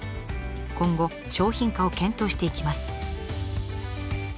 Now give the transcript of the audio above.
今後商品化を検討していきます。